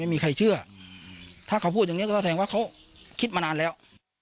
ไม่มีใครเชื่อถ้าเขาพูดอย่างนี้ก็แสดงว่าเขาคิดมานานแล้ว